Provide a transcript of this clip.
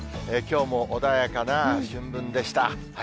きょうも穏やかな春分でした。